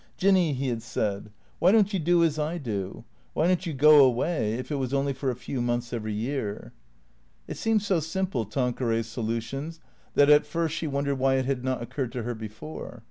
" Jinny," he had said, "why don't you do as I do? Why don't you go away, if it was only for a few months every year ?'' It seemed so simple, Tanqueray's solution, that at first she wondered why it had not occurred to her before.